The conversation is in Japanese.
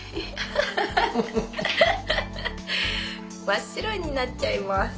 真っ白になっちゃいます。